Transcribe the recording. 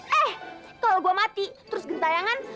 eh kalau gue mati terus gentayangan